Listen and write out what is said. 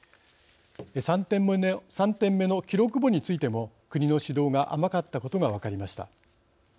３点目の記録簿についても国の指導が甘かったことが分かりました。